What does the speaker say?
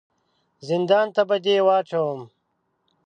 زندان ته به دي واچوم !